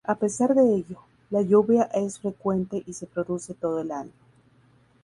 A pesar de ello, la lluvia es frecuente y se produce todo el año.